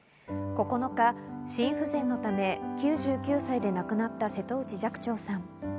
９日、心不全のため９９歳で亡くなった瀬戸内寂聴さん。